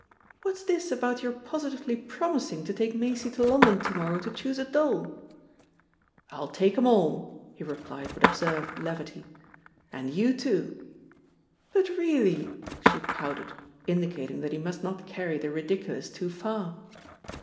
"What's this about your positively promising to take Maisie to London to morrow to choose a doll?" "I'll take 'em all," he replied with absurd levity. "And you too!" "But really " she pouted, indicating that he must not carry the ridiculous too far.